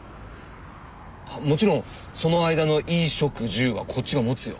あもちろんその間の衣食住はこっちが持つよ。